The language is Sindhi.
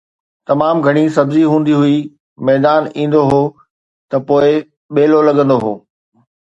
تمام گهڻي سبزي هوندي هئي، ميدان ايندو هو ته پوءِ ٻيلو لڳندو هو